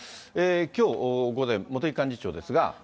きょう午前、茂木幹事長ですが。